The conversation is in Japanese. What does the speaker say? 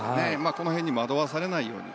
この辺に惑わされないように。